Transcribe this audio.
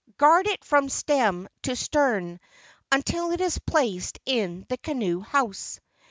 Guard it from stem tc stern, until it is placed in the canoe house."